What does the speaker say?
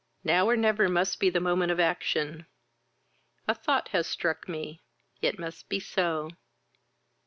Now, or never, must be the moment of action. A thought has struck me; it must be so."